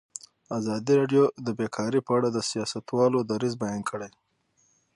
ازادي راډیو د بیکاري په اړه د سیاستوالو دریځ بیان کړی.